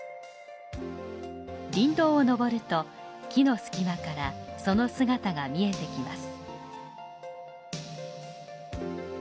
林道を登ると木の隙間からその姿が見えてきます。